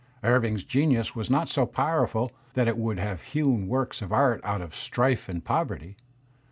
Irving's genius was not so powerful that it would have hewn works of art out of strife and poverty.